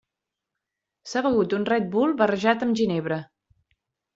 S'ha begut un Red Bull barrejat amb ginebra.